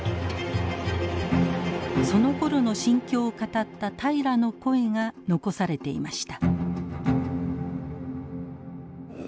そのころの心境を語った平良の声が残されていました。